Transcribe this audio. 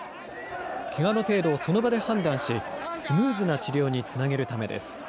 けがの程度をその場で判断し、スムーズな治療につなげるためです。